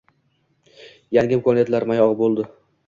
yangi imkoniyatlar mayog‘i bo‘ldi.